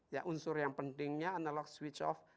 ya unsur yang pentingnya analog switch off